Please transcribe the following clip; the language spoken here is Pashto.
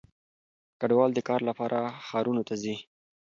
کډوال د کار لپاره ښارونو ته ځي.